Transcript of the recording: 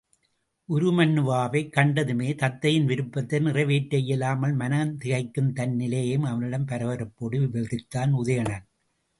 உருமண்ணுவாவைக் கண்டதுமே தத்தையின் விருப்பத்தை நிறைவேற்ற இயலாமல் மனம் திகைக்கும் தன் நிலையையும் அவனிடம் பரபரப்போடு விவரித்தான் உதயணன்.